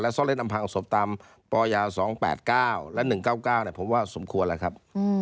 ซ่อนเล่นอำพังเอาศพตามปย๒๘๙และ๑๙๙ผมว่าสมควรแล้วครับ